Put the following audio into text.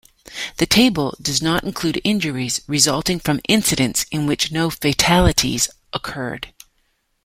The table does not include injuries resulting from incidents in which no fatalities occurred.